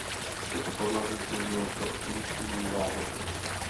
Toto podlaží sloužilo pro umístění nádrže.